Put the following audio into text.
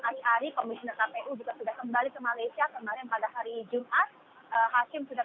hari hari komisioner kpu juga sudah kembali ke malaysia dan pada hari jun at hashim sudah